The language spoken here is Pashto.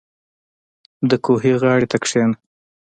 • د کوهي غاړې ته کښېنه.